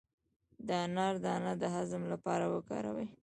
د انار دانه د هضم لپاره وکاروئ